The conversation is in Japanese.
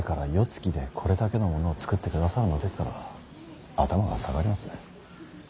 つきでこれだけのものを作ってくださるのですから頭が下がります。